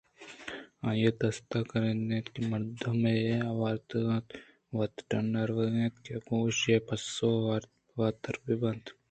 آئی ءِ دست ءَ کاگدے اَت کہ مردمے ءَ آورتگ اَت ءُوت ڈنّ ءَ وداریگ اَت کہ گوں ایشی ءِ پسو ءَ واتر بہ بیت